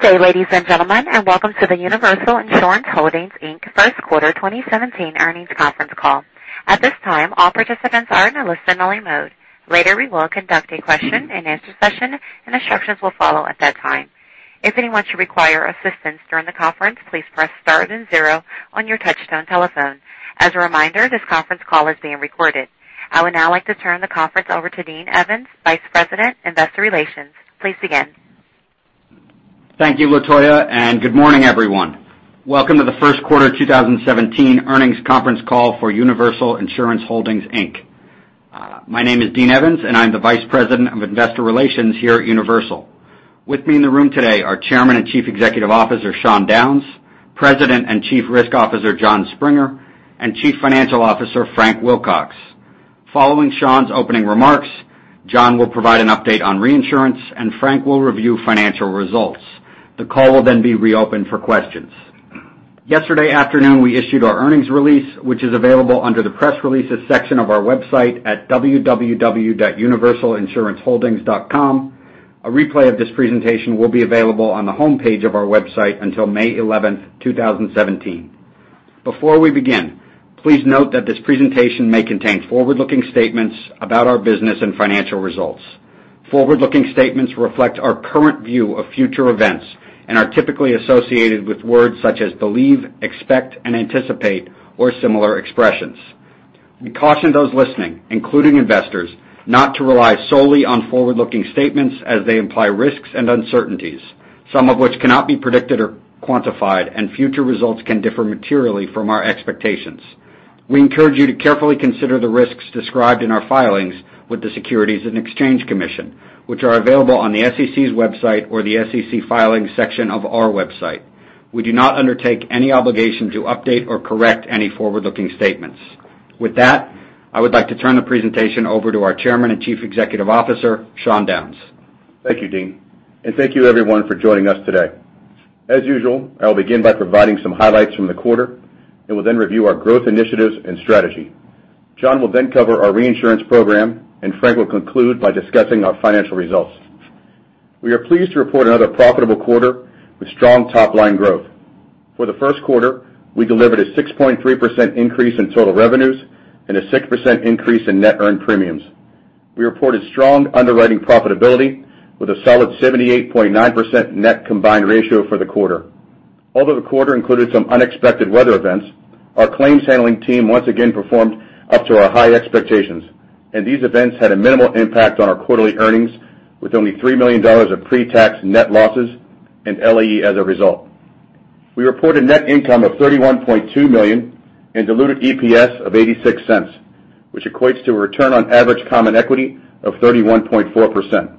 Good day, ladies and gentlemen, and welcome to the Universal Insurance Holdings, Inc. first quarter 2017 earnings conference call. At this time, all participants are in a listen-only mode. Later, we will conduct a question and answer session, instructions will follow at that time. If anyone should require assistance during the conference, please press star then zero on your touchtone telephone. As a reminder, this conference call is being recorded. I would now like to turn the conference over to Dean Evans, Vice President, Investor Relations. Please begin. Thank you, Latoya, good morning, everyone. Welcome to the first quarter 2017 earnings conference call for Universal Insurance Holdings, Inc. My name is Dean Evans, I'm the Vice President of Investor Relations here at Universal. With me in the room today are Chairman and Chief Executive Officer, Sean Downes, President and Chief Risk Officer, Jon Springer, Chief Financial Officer, Frank Wilcox. Following Sean's opening remarks, Jon will provide an update on reinsurance, Frank will review financial results. The call will then be reopened for questions. Yesterday afternoon, we issued our earnings release, which is available under the Press Releases section of our website at www.universalinsuranceholdings.com. A replay of this presentation will be available on the homepage of our website until May 11, 2017. Before we begin, please note that this presentation may contain forward-looking statements about our business and financial results. Forward-looking statements reflect our current view of future events are typically associated with words such as believe, expect, anticipate, or similar expressions. We caution those listening, including investors, not to rely solely on forward-looking statements as they imply risks and uncertainties, some of which cannot be predicted or quantified, future results can differ materially from our expectations. We encourage you to carefully consider the risks described in our filings with the Securities and Exchange Commission, which are available on the SEC's website or the SEC Filings section of our website. We do not undertake any obligation to update or correct any forward-looking statements. With that, I would like to turn the presentation over to our Chairman and Chief Executive Officer, Sean Downes. Thank you, Dean. Thank you, everyone, for joining us today. As usual, I'll begin by providing some highlights from the quarter, will then review our growth initiatives and strategy. Jon will then cover our reinsurance program, Frank will conclude by discussing our financial results. We are pleased to report another profitable quarter with strong top-line growth. For the first quarter, we delivered a 6.3% increase in total revenues a 6% increase in net earned premiums. We reported strong underwriting profitability with a solid 78.9% net combined ratio for the quarter. Although the quarter included some unexpected weather events, our claims handling team once again performed up to our high expectations, these events had a minimal impact on our quarterly earnings with only $3 million of pre-tax net losses and LAE as a result. We reported net income of $31.2 million and diluted EPS of $0.86, which equates to a return on average common equity of 31.4%.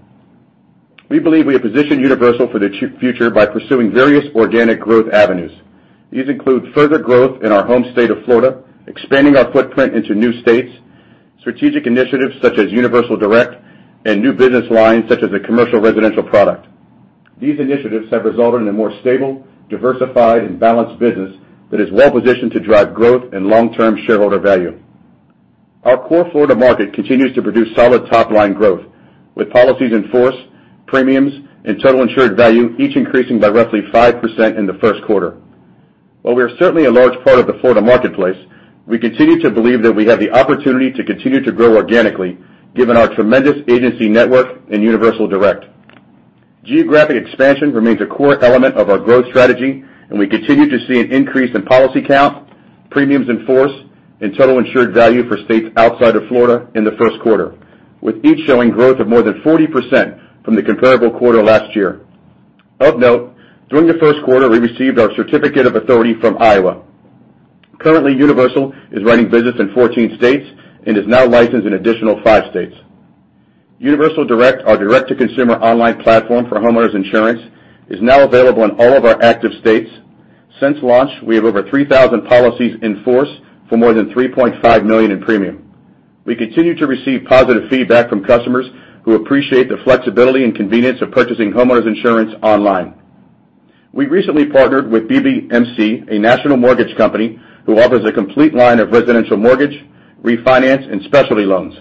We believe we have positioned Universal for the future by pursuing various organic growth avenues. These include further growth in our home state of Florida, expanding our footprint into new states, strategic initiatives such as Universal Direct, and new business lines such as a commercial residential product. These initiatives have resulted in a more stable, diversified, and balanced business that is well-positioned to drive growth and long-term shareholder value. Our core Florida market continues to produce solid top-line growth, with policies in force, premiums, and total insured value each increasing by roughly 5% in the first quarter. While we are certainly a large part of the Florida marketplace, we continue to believe that we have the opportunity to continue to grow organically given our tremendous agency network in Universal Direct. Geographic expansion remains a core element of our growth strategy, and we continue to see an increase in policy count, premiums in force, and total insured value for states outside of Florida in the first quarter, with each showing growth of more than 40% from the comparable quarter last year. Of note, during the first quarter, we received our certificate of authority from Iowa. Currently, Universal is writing business in 14 states and is now licensed in an additional five states. Universal Direct, our direct-to-consumer online platform for homeowners insurance, is now available in all of our active states. Since launch, we have over 3,000 policies in force for more than $3.5 million in premium. We continue to receive positive feedback from customers who appreciate the flexibility and convenience of purchasing homeowners insurance online. We recently partnered with BBMC, a national mortgage company, who offers a complete line of residential mortgage, refinance, and specialty loans.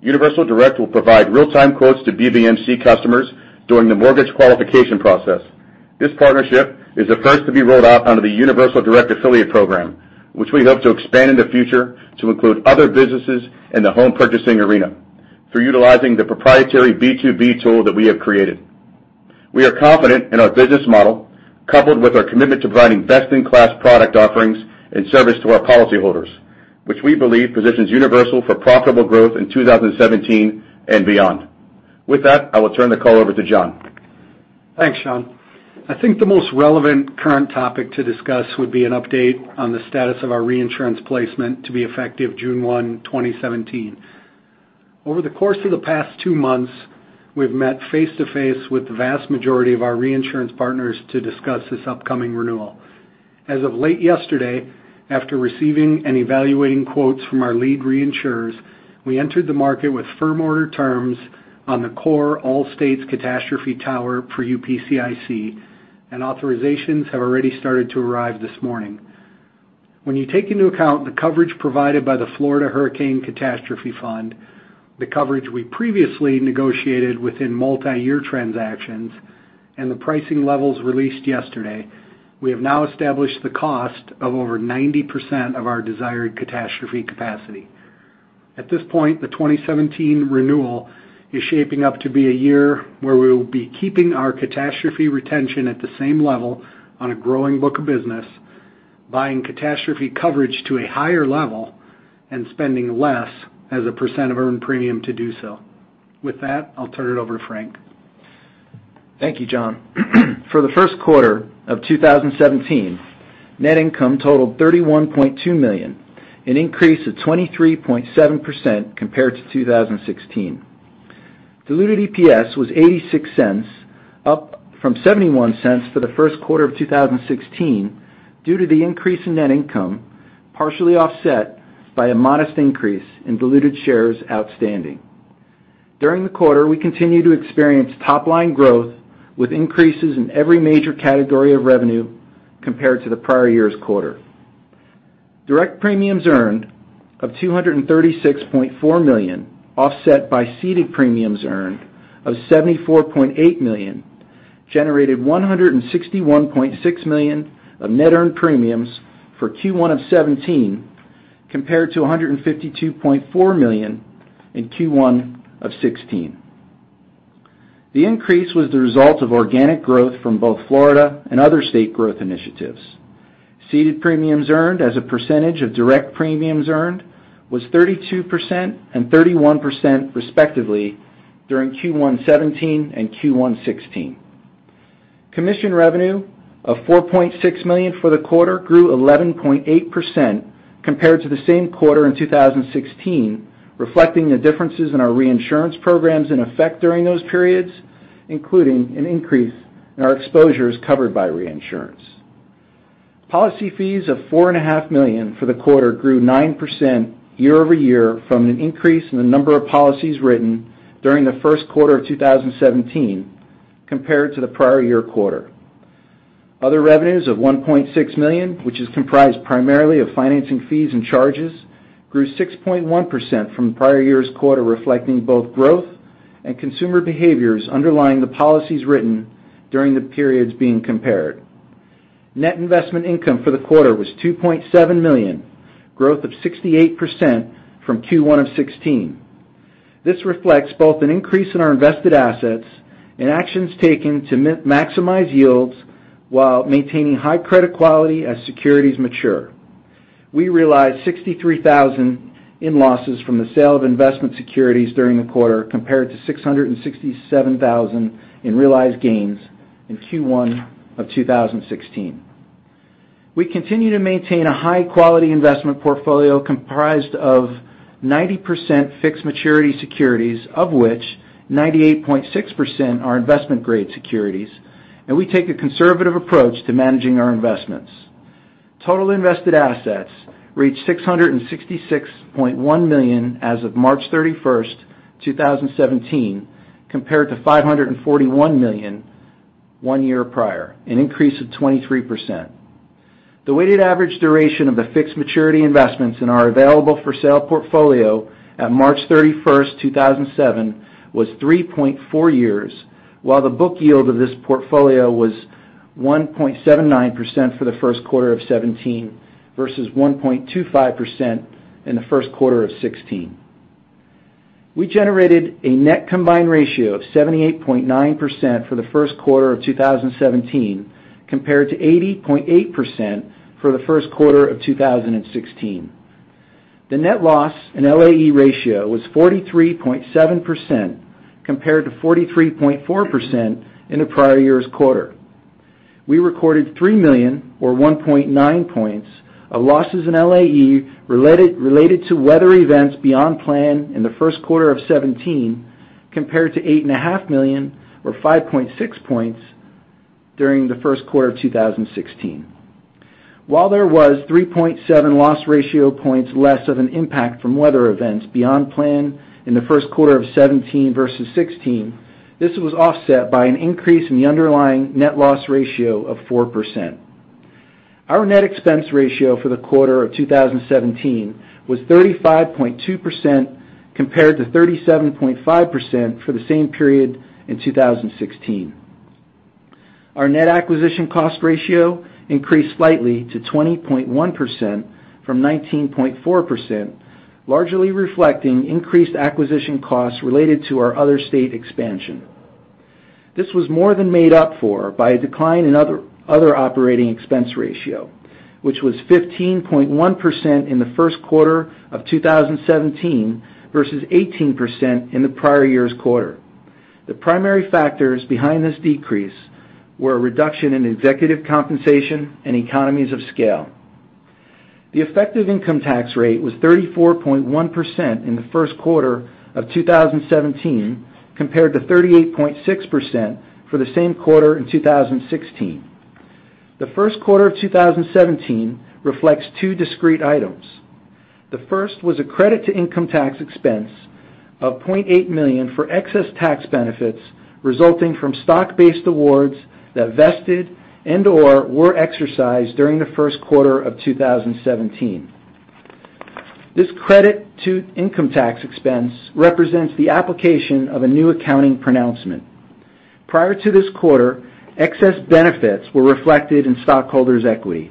Universal Direct will provide real-time quotes to BBMC customers during the mortgage qualification process. This partnership is the first to be rolled out under the Universal Direct affiliate program, which we hope to expand in the future to include other businesses in the home purchasing arena through utilizing the proprietary B2B tool that we have created. We are confident in our business model, coupled with our commitment to providing best-in-class product offerings and service to our policyholders, which we believe positions Universal for profitable growth in 2017 and beyond. With that, I will turn the call over to Jon. Thanks, Sean. I think the most relevant current topic to discuss would be an update on the status of our reinsurance placement to be effective June 1, 2017. Over the course of the past two months, we've met face-to-face with the vast majority of our reinsurance partners to discuss this upcoming renewal. As of late yesterday, after receiving and evaluating quotes from our lead reinsurers, we entered the market with firm order terms on the core all states catastrophe tower for UPCIC, and authorizations have already started to arrive this morning. When you take into account the coverage provided by the Florida Hurricane Catastrophe Fund, the coverage we previously negotiated within multi-year transactions, and the pricing levels released yesterday, we have now established the cost of over 90% of our desired catastrophe capacity. At this point, the 2017 renewal is shaping up to be a year where we will be keeping our catastrophe retention at the same level on a growing book of business, buying catastrophe coverage to a higher level, and spending less as a percent of earned premium to do so. With that, I'll turn it over to Frank. Thank you, Jon. For the first quarter of 2017, net income totaled $31.2 million, an increase of 23.7% compared to 2016. Diluted EPS was $0.86, up from $0.71 for the first quarter of 2016 due to the increase in net income, partially offset by a modest increase in diluted shares outstanding. During the quarter, we continued to experience top-line growth with increases in every major category of revenue compared to the prior year's quarter. Direct premiums earned of $236.4 million, offset by ceded premiums earned of $74.8 million, generated $161.6 million of net earned premiums for Q1 of '17, compared to $152.4 million in Q1 of '16. The increase was the result of organic growth from both Florida and other state growth initiatives. Ceded premiums earned as a percentage of direct premiums earned was 32% and 31%, respectively, during Q1 '17 and Q1 '16. Commission revenue of $4.6 million for the quarter grew 11.8% compared to the same quarter in 2016, reflecting the differences in our reinsurance programs in effect during those periods, including an increase in our exposures covered by reinsurance. Policy fees of $4.5 million for the quarter grew 9% year-over-year from an increase in the number of policies written during the first quarter of 2017 compared to the prior year quarter. Other revenues of $1.6 million, which is comprised primarily of financing fees and charges, grew 6.1% from the prior year's quarter, reflecting both growth and consumer behaviors underlying the policies written during the periods being compared. Net investment income for the quarter was $2.7 million, growth of 68% from Q1 of '16. This reflects both an increase in our invested assets and actions taken to maximize yields while maintaining high credit quality as securities mature. We realized $63,000 in losses from the sale of investment securities during the quarter, compared to $667,000 in realized gains in Q1 of 2016. We continue to maintain a high-quality investment portfolio comprised of 90% fixed maturity securities, of which 98.6% are investment-grade securities, and we take a conservative approach to managing our investments. Total invested assets reached $666.1 million as of March 31st, 2017, compared to $541 million one year prior, an increase of 23%. The weighted average duration of the fixed maturity investments in our available for sale portfolio at March 31st, 2007, was 3.4 years, while the book yield of this portfolio was 1.79% for the first quarter of '17 versus 1.25% in the first quarter of '16. We generated a net combined ratio of 78.9% for the first quarter of 2017, compared to 80.8% for the first quarter of 2016. The net loss in LAE ratio was 43.7%, compared to 43.4% in the prior year's quarter. We recorded $3 million or 1.9 points of losses in LAE related to weather events beyond plan in the first quarter of 2017, compared to $8.5 million or 5.6 points during the first quarter of 2016. While there was 3.7 loss ratio points less of an impact from weather events beyond plan in the first quarter of 2017 versus 2016, this was offset by an increase in the underlying net loss ratio of 4%. Our net expense ratio for the quarter of 2017 was 35.2%, compared to 37.5% for the same period in 2016. Our net acquisition cost ratio increased slightly to 20.1% from 19.4%, largely reflecting increased acquisition costs related to our other state expansion. This was more than made up for by a decline in other operating expense ratio, which was 15.1% in the first quarter of 2017 versus 18% in the prior year's quarter. The primary factors behind this decrease were a reduction in executive compensation and economies of scale. The effective income tax rate was 34.1% in the first quarter of 2017, compared to 38.6% for the same quarter in 2016. The first quarter of 2017 reflects two discrete items. The first was a credit to income tax expense of $0.8 million for excess tax benefits resulting from stock-based awards that vested and/or were exercised during the first quarter of 2017. This credit to income tax expense represents the application of a new accounting pronouncement. Prior to this quarter, excess benefits were reflected in stockholders' equity.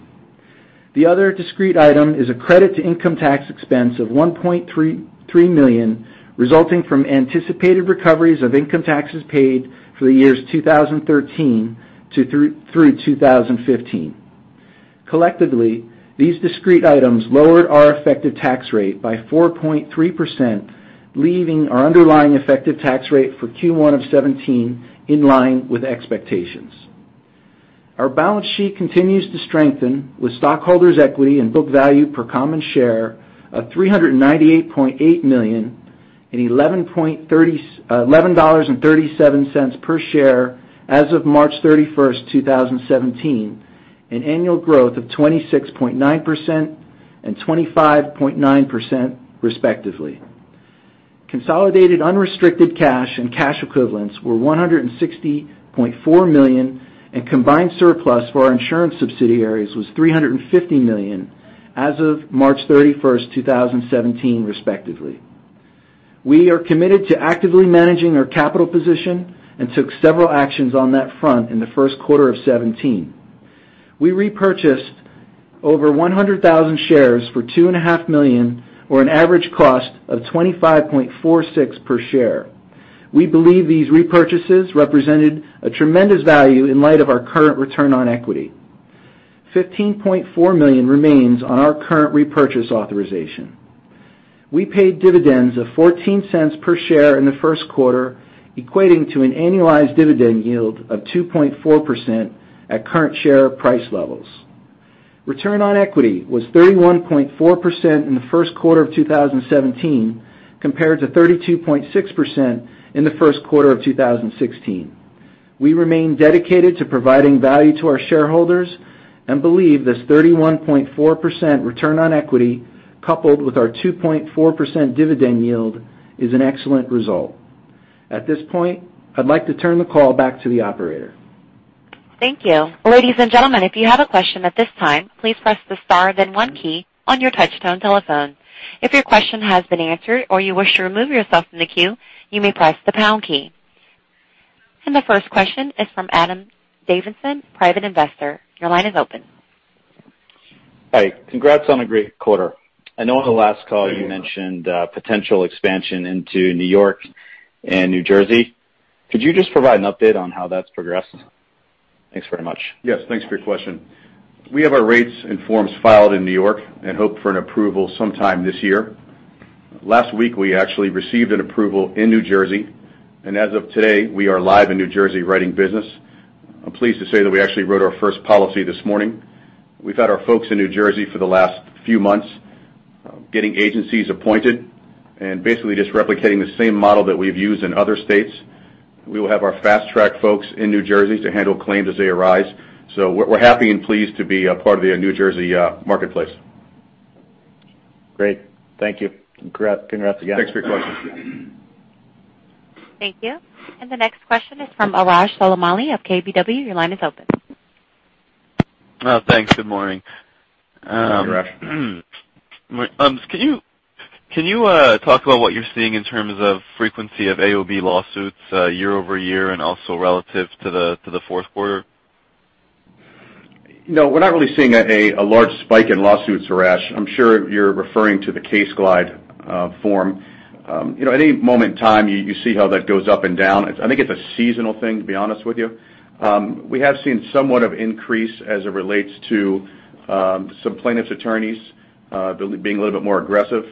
The other discrete item is a credit to income tax expense of $1.3 million, resulting from anticipated recoveries of income taxes paid for the years 2013 through 2015. Collectively, these discrete items lowered our effective tax rate by 4.3%, leaving our underlying effective tax rate for Q1 of 2017 in line with expectations. Our balance sheet continues to strengthen with stockholders' equity and book value per common share of $398.8 million and $11.37 per share as of March 31st, 2017, an annual growth of 26.9% and 25.9% respectively. Consolidated unrestricted cash and cash equivalents were $160.4 million, and combined surplus for our insurance subsidiaries was $350 million as of March 31st, 2017, respectively. We are committed to actively managing our capital position and took several actions on that front in the first quarter of 2017. We repurchased over 100,000 shares for $2.5 million or an average cost of $25.46 per share. We believe these repurchases represented a tremendous value in light of our current return on equity. $15.4 million remains on our current repurchase authorization. We paid dividends of $0.14 per share in the first quarter, equating to an annualized dividend yield of 2.4% at current share price levels. Return on equity was 31.4% in the first quarter of 2017, compared to 32.6% in the first quarter of 2016. We remain dedicated to providing value to our shareholders and believe this 31.4% return on equity, coupled with our 2.4% dividend yield, is an excellent result. At this point, I'd like to turn the call back to the operator. Thank you. Ladies and gentlemen, if you have a question at this time, please press the star and then one key on your touchtone telephone. If your question has been answered or you wish to remove yourself from the queue, you may press the pound key. The first question is from Adam Davidson, Private Investor. Your line is open. Hi. Congrats on a great quarter. I know on the last call you mentioned potential expansion into New York and New Jersey. Could you just provide an update on how that's progressing? Thanks very much. Yes, thanks for your question. We have our rates and forms filed in New York and hope for an approval sometime this year. Last week, we actually received an approval in New Jersey, and as of today, we are live in New Jersey writing business. I'm pleased to say that we actually wrote our first policy this morning. We've had our folks in New Jersey for the last few months getting agencies appointed and basically just replicating the same model that we've used in other states. We will have our Fast Track folks in New Jersey to handle claims as they arise. We're happy and pleased to be a part of the New Jersey marketplace. Great. Thank you. Congrats again. Thanks for your question. Thank you. The next question is from Arash Soleimani of KBW. Your line is open. Thanks. Good morning. Hi, Arash. Can you talk about what you're seeing in terms of frequency of AOB lawsuits year-over-year and also relative to the fourth quarter? No, we're not really seeing a large spike in lawsuits, Arash. I'm sure you're referring to the CaseGlide form. At any moment in time, you see how that goes up and down. I think it's a seasonal thing, to be honest with you. We have seen somewhat of increase as it relates to some plaintiffs' attorneys being a little bit more aggressive.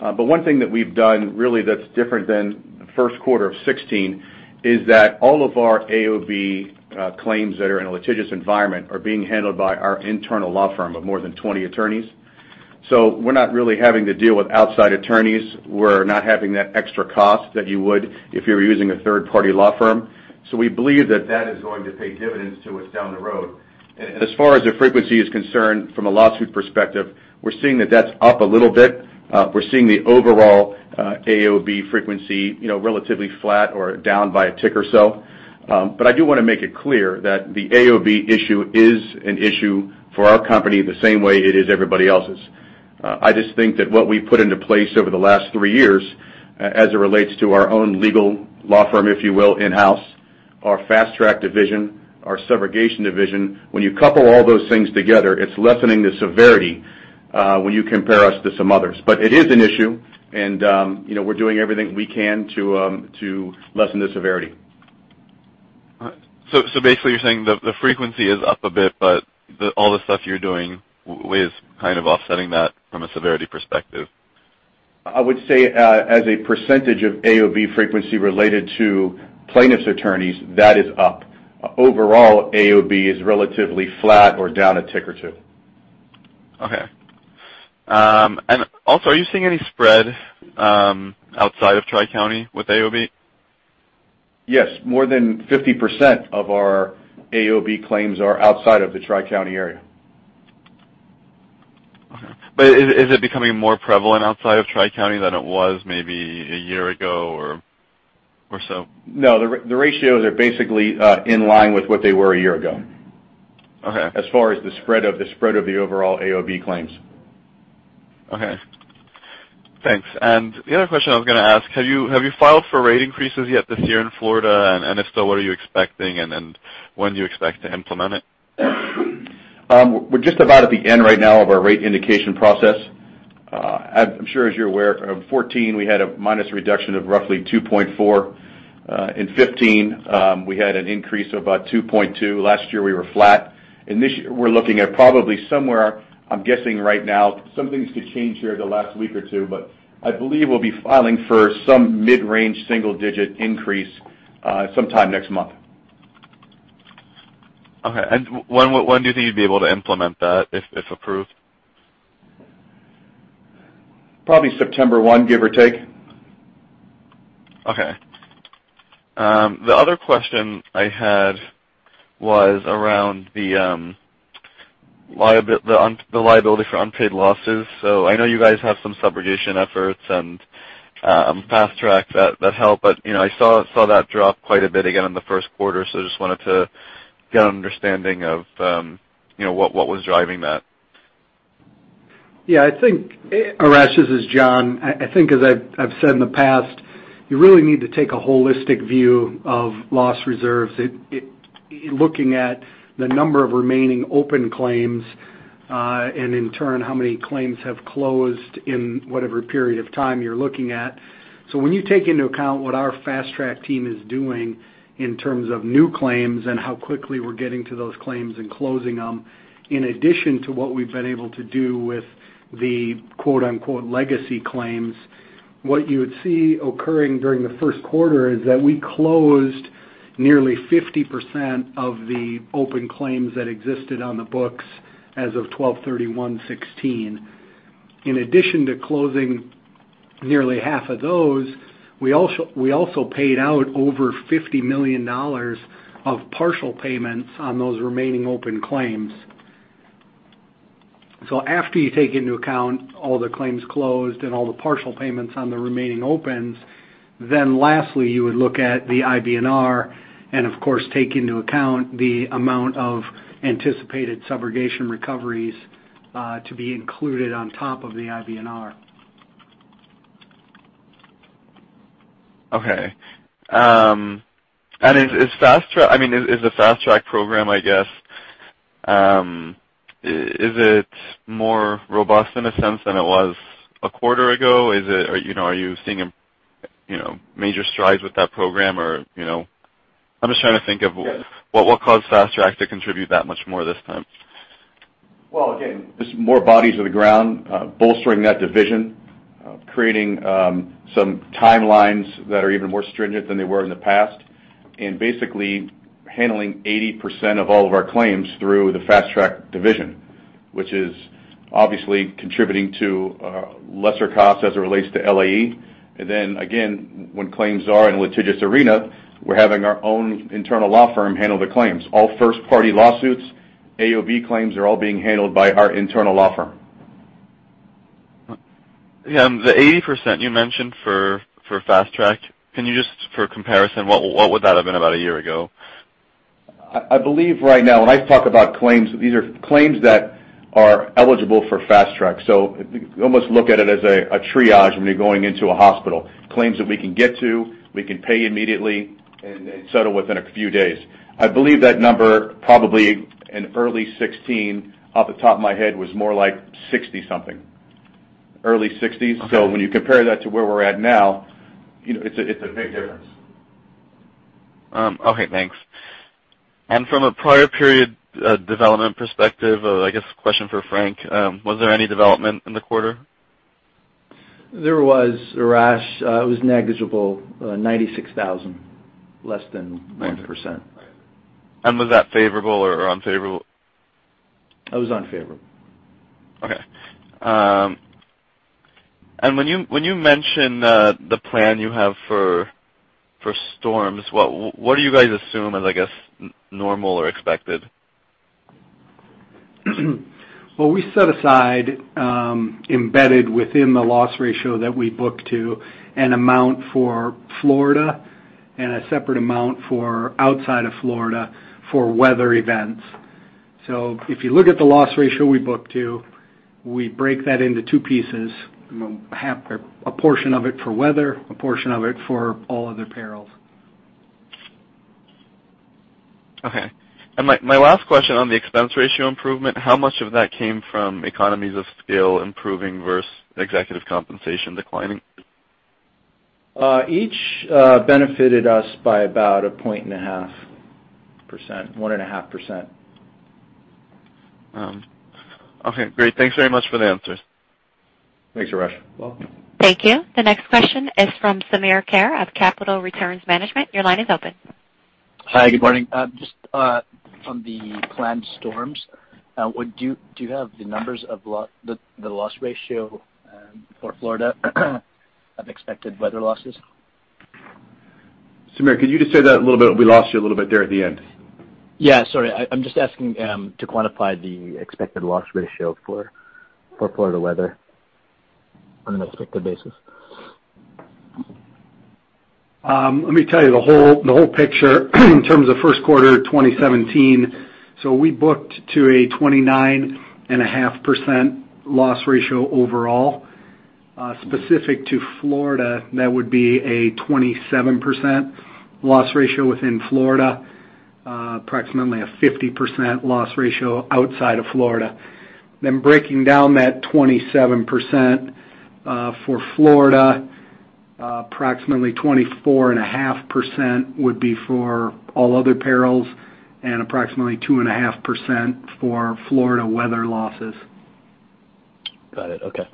One thing that we've done really that's different than the first quarter of 2016 is that all of our AOB claims that are in a litigious environment are being handled by our internal law firm of more than 20 attorneys. We're not really having to deal with outside attorneys. We're not having that extra cost that you would if you were using a third-party law firm. We believe that that is going to pay dividends to us down the road. As far as the frequency is concerned from a lawsuit perspective, we're seeing that that's up a little bit. We're seeing the overall AOB frequency relatively flat or down by a tick or so. I do want to make it clear that the AOB issue is an issue for our company the same way it is everybody else's. I just think that what we've put into place over the last three years, as it relates to our own legal law firm, if you will, in-house, our Fast Track division, our subrogation division. When you couple all those things together, it's lessening the severity, when you compare us to some others. It is an issue, and we're doing everything we can to lessen the severity. Basically, you're saying the frequency is up a bit, but all the stuff you're doing is kind of offsetting that from a severity perspective. I would say as a percentage of AOB frequency related to plaintiffs' attorneys, that is up. AOB is relatively flat or down a tick or two. Okay. Also, are you seeing any spread outside of Tri-County with AOB? Yes, more than 50% of our AOB claims are outside of the Tri-County area. Okay. Is it becoming more prevalent outside of Tri-County than it was maybe a year ago or so? No, the ratios are basically in line with what they were a year ago. Okay. As far as the spread of the overall AOB claims. Okay. Thanks. The other question I was going to ask, have you filed for rate increases yet this year in Florida, and if so, what are you expecting, and when do you expect to implement it? We're just about at the end right now of our rate indication process. I'm sure as you're aware, in 2014, we had a minus reduction of roughly 2.4%. In 2015, we had an increase of about 2.2%. Last year, we were flat. In this year, we're looking at probably somewhere, I'm guessing right now, some things could change here the last week or two, but I believe we'll be filing for some mid-range single-digit increase sometime next month. Okay. When do you think you'd be able to implement that, if approved? Probably September 1, give or take. Okay. The other question I had was around the liability for unpaid losses. I know you guys have some subrogation efforts and Fast Track that help, but I saw that drop quite a bit again in the first quarter. I just wanted to get an understanding of what was driving that. Yeah. Arash, this is Jon. I think as I've said in the past, you really need to take a holistic view of loss reserves, looking at the number of remaining open claims, and in turn, how many claims have closed in whatever period of time you're looking at. When you take into account what our Fast Track team is doing in terms of new claims and how quickly we're getting to those claims and closing them, in addition to what we've been able to do with the "legacy claims," what you would see occurring during the first quarter is that we closed nearly 50% of the open claims that existed on the books as of 12/31/16. In addition to closing nearly half of those, we also paid out over $50 million of partial payments on those remaining open claims. After you take into account all the claims closed and all the partial payments on the remaining opens, lastly, you would look at the IBNR and, of course, take into account the amount of anticipated subrogation recoveries to be included on top of the IBNR. Okay. Is the Fast Track program, I guess, more robust in a sense than it was a quarter ago? Are you seeing major strides with that program? I'm just trying to think of what caused Fast Track to contribute that much more this time. Again, just more bodies on the ground bolstering that division, creating some timelines that are even more stringent than they were in the past, basically handling 80% of all of our claims through the Fast Track division, which is obviously contributing to lesser costs as it relates to LAE. Again, when claims are in a litigious arena, we're having our own internal law firm handle the claims. All first-party lawsuits, AOB claims are all being handled by our internal law firm. The 80% you mentioned for Fast Track, can you just, for comparison, what would that have been about a year ago? I believe right now, when I talk about claims, these are claims that are eligible for Fast Track. You almost look at it as a triage when you're going into a hospital. Claims that we can get to, we can pay immediately, and settle within a few days. I believe that number probably in early 2016, off the top of my head, was more like 60-something, early 60s. Okay. When you compare that to where we're at now, it's a big difference. Okay, thanks. From a prior period development perspective, I guess a question for Frank, was there any development in the quarter? There was, Arash. It was negligible, 96,000. Less than 1%. Was that favorable or unfavorable? It was unfavorable. Okay. When you mention the plan you have for storms, what do you guys assume as normal or expected? We set aside, embedded within the loss ratio that we book to, an amount for Florida and a separate amount for outside of Florida for weather events. If you look at the loss ratio we book to, we break that into two pieces, a portion of it for weather, a portion of it for all other perils. Okay. My last question on the expense ratio improvement, how much of that came from economies of scale improving versus executive compensation declining? Each benefited us by about 1.5%. Okay, great. Thanks very much for the answers. Thanks, Arash Soleimani. Welcome. Thank you. The next question is from Samir Khair of Capital Returns Management. Your line is open Hi, good morning. Just on the planned storms, do you have the numbers of the loss ratio for Florida of expected weather losses? Samir, could you just say that a little bit? We lost you a little bit there at the end. Yeah, sorry. I'm just asking to quantify the expected loss ratio for Florida weather on an expected basis. Let me tell you the whole picture in terms of first quarter 2017. We booked to a 29.5% loss ratio overall. Specific to Florida, that would be a 27% loss ratio within Florida, approximately a 50% loss ratio outside of Florida. Breaking down that 27% for Florida, approximately 24.5% would be for all other perils and approximately 2.5% for Florida weather losses. Got it. Okay.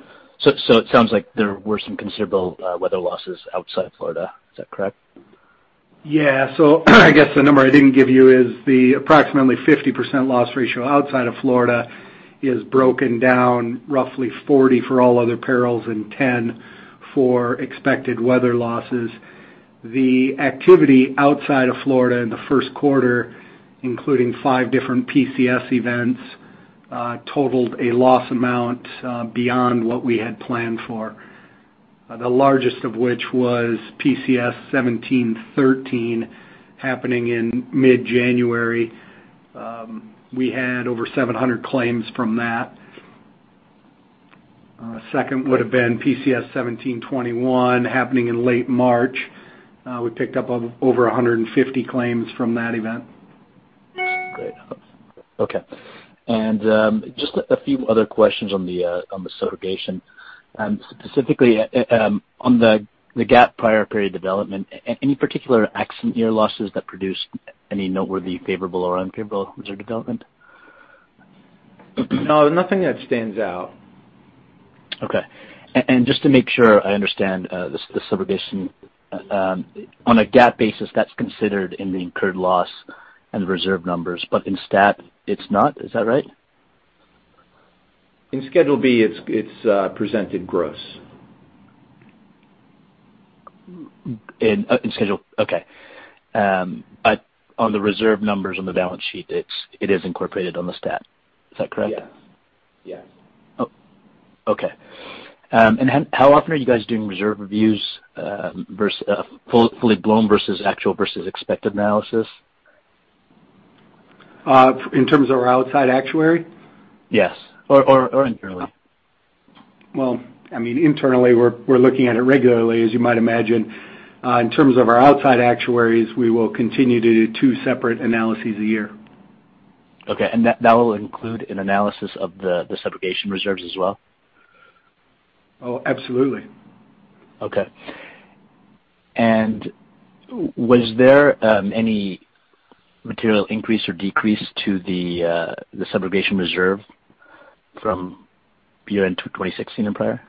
It sounds like there were some considerable weather losses outside Florida. Is that correct? Yeah. I guess the number I didn't give you is the approximately 50% loss ratio outside of Florida is broken down roughly 40 for all other perils and 10 for expected weather losses. The activity outside of Florida in the first quarter, including 5 different PCS events, totaled a loss amount beyond what we had planned for. The largest of which was PCS 1713 happening in mid-January. We had over 700 claims from that. Second would've been PCS 1721 happening in late March. We picked up over 150 claims from that event. Great. Okay. Just a few other questions on the subrogation, specifically on the GAAP prior period development. Any particular accident year losses that produced any noteworthy favorable or unfavorable reserve development? No, nothing that stands out. Okay. Just to make sure I understand the subrogation, on a GAAP basis, that's considered in the incurred loss and reserve numbers. In STAT, it's not, is that right? In Schedule B, it's presented gross. In Schedule. Okay. On the reserve numbers on the balance sheet, it is incorporated on the STAT. Is that correct? Yeah. Oh, okay. How often are you guys doing reserve reviews, fully blown versus actual versus expected analysis? In terms of our outside actuary? Yes. Internally. Well, internally we're looking at it regularly, as you might imagine. In terms of our outside actuaries, we will continue to do two separate analyses a year. Okay. That will include an analysis of the subrogation reserves as well? Oh, absolutely. Okay. Was there any material increase or decrease to the subrogation reserve from year-end 2016 and prior?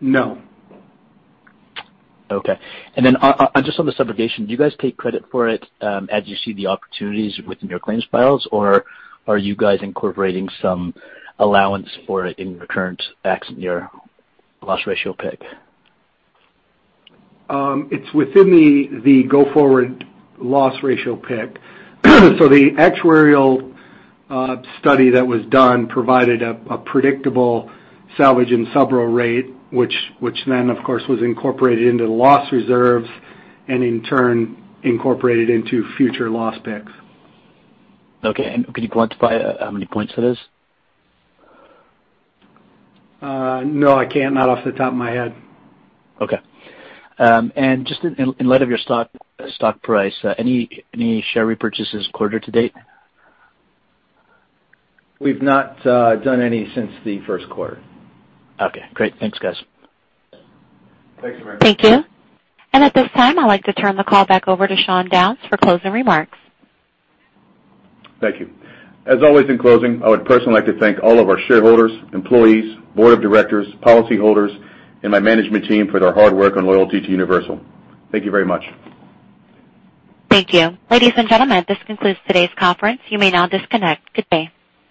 No. Okay. Just on the subrogation, do you guys take credit for it as you see the opportunities within your claims files, or are you guys incorporating some allowance for it in your current accident year loss ratio pick? It's within the go-forward loss ratio pick. The actuarial study that was done provided a predictable salvage and subro rate, which then, of course, was incorporated into loss reserves and in turn incorporated into future loss picks. Okay. Could you quantify how many points it is? No, I can't, not off the top of my head. Okay. Just in light of your stock price, any share repurchases quarter to date? We've not done any since the first quarter. Okay, great. Thanks, guys. Thanks, Samir. Thank you. At this time, I'd like to turn the call back over to Sean Downes for closing remarks. Thank you. As always, in closing, I would personally like to thank all of our shareholders, employees, board of directors, policyholders, and my management team for their hard work and loyalty to Universal. Thank you very much. Thank you. Ladies and gentlemen, this concludes today's conference. You may now disconnect. Goodbye.